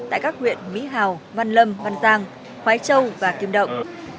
tại các huyện mỹ hào văn lâm văn giang khói châu và kim động